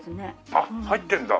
あっ入ってるんだ。